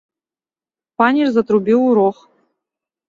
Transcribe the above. Паніч затрубіў у рог.